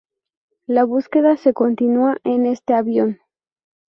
La búsqueda se continua en este avión.